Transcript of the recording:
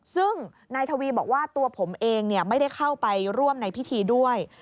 ซึ่งนายทวีบอกว่าตัวผมเองไม่ได้เข้าไปร่วมในพิธีด้วย